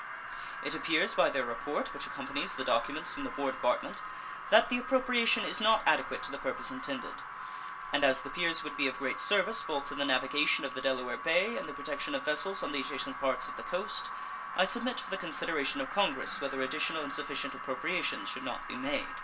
It appears by their report, which accompanies the documents from the War Department, that the appropriation is not adequate to the purpose intended; and as the piers would be of great service both to the navigation of the Delaware Bay and the protection of vessels on the adjacent parts of the coast, I submit for the consideration of Congress whether additional and sufficient appropriations should not be made.